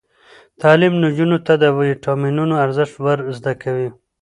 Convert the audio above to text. تعلیم نجونو ته د ویټامینونو ارزښت ور زده کوي.